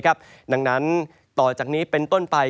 ดังนั้นต่อจากนี้เป็นต้นไป